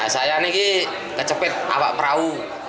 saya ini kecepit awak perahu